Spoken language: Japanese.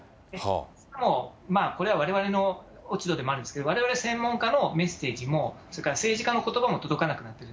もう、これはわれわれの落ち度でもあるんですけど、われわれ専門家のメッセージも、それから政治家のことばも届かなくなっている。